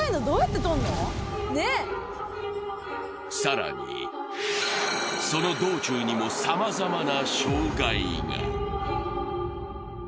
更に、その道中にもさまざまな障害が。